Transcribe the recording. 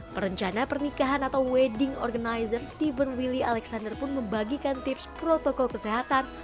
perencana pernikahan atau wedding organizer steven willy alexander pun membagikan tips protokol kesehatan